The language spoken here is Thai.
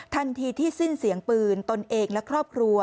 ทันทีที่สิ้นเสียงปืนตนเองและครอบครัว